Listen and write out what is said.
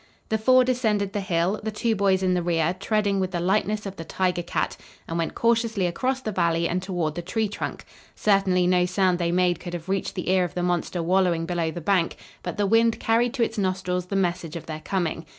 The four descended the hill, the two boys in the rear, treading with the lightness of the tiger cat, and went cautiously across the valley and toward the tree trunk. Certainly no sound they made could have reached the ear of the monster wallowing below the bank, but the wind carried to its nostrils the message of their coming.